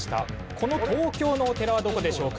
この東京のお寺はどこでしょうか？